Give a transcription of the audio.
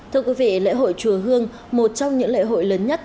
thưa quý vị lễ hội chùa hương một trong những lễ hội lớn nhất